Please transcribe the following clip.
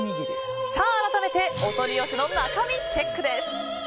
改めて、お取り寄せの中身チェックです。